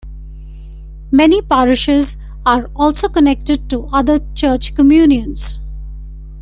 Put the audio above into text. Many parishes are also connected to other church communions.